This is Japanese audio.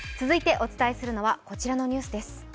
続いて、お伝えするのはこちらのニュースです。